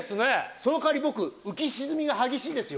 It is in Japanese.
その代わり僕浮き沈みが激しいですよ。